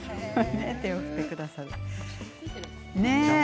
手を振ってくださると。